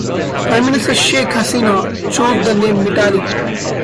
Prime Minister Sheikh Hasina chose the name Mitali.